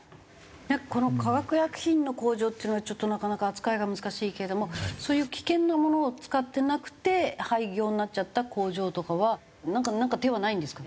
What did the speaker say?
この化学薬品の工場っていうのはちょっとなかなか扱いが難しいけれどもそういう危険なものを使ってなくて廃業になっちゃった工場とかはなんか手はないんですかね？